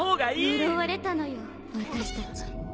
呪われたのよ私たち。